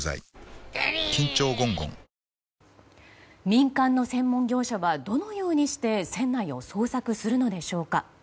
民間の専門業者はどのようにして船内を捜索するのでしょうか。